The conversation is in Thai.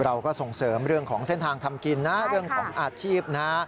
เราก็ส่งเสริมเรื่องของเส้นทางทำกินนะเรื่องของอาชีพนะฮะ